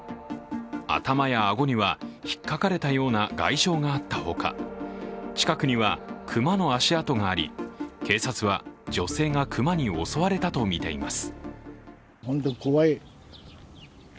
頭や顎にはひっかかれたような外傷があったほか近くには熊の足跡があり、警察は女性が熊に襲われたとみています。